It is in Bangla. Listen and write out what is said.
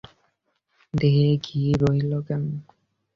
দেশে ঘি রহিল কই?